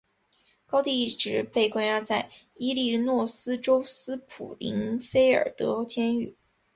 高蒂一直被关押在伊利诺斯州斯普林菲尔德监狱。